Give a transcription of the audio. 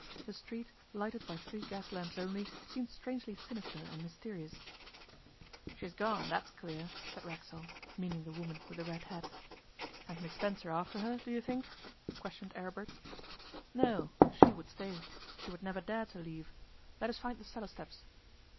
The street, lighted by three gas lamps only, seemed strangely sinister and mysterious. 'She has gone, that's clear,' said Racksole, meaning the woman with the red hat. 'And Miss Spencer after her, do you think?' questioned Aribert. 'No. She would stay. She would never dare to leave. Let us find the cellar steps.